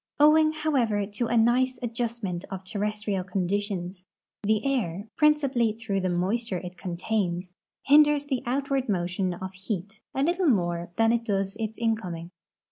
Owing, however, to a nice adjustment of terrestrial conditions, the air, ])rincipally through the moisture it contains, hinders the outward motion of heat a little more than it does its incoming.